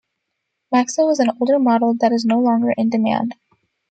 Maxo is an older model that is no longer in demand.